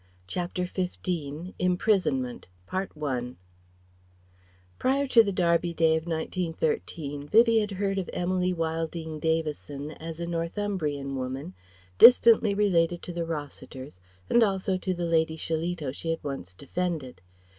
CHAPTER XV IMPRISONMENT Prior to the Derby day of 1913, Vivie had heard of Emily Wilding Davison as a Northumbrian woman, distantly related to the Rossiters and also to the Lady Shillito she had once defended.